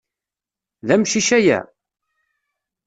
D amcic aya?